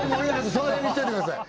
その辺にしておいてください